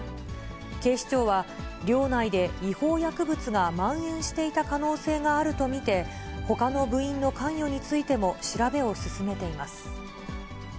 警視庁は、寮内で違法薬物がまん延していた可能性があると見て、ほかの部員の関与についても調べを進めています。